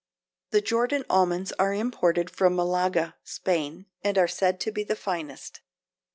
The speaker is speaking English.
The Jordan almonds are imported from Malaga (Spain) and are said to be the finest.